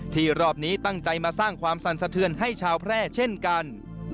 รอบนี้ตั้งใจมาสร้างความสั่นสะเทือนให้ชาวแพร่เช่นกัน